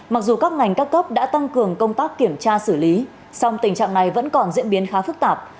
mặc dù các ngành các cấp đã tăng cường công tác kiểm tra xử lý song tình trạng này vẫn còn diễn biến khá phức tạp